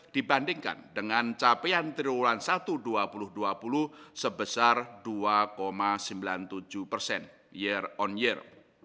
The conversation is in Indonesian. dibandingkan dengan capaian triwulan satu dua ribu dua puluh sebesar dua sembilan puluh tujuh persen year on year